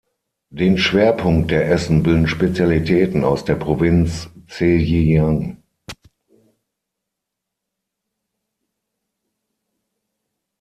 Den Schwerpunkt der Essen bilden Spezialitäten aus der Provinz Zhejiang.